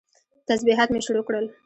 تسبيحات مې شروع کړل.